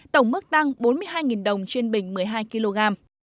tổng mức tăng bốn mươi hai đồng trên bình một mươi hai kg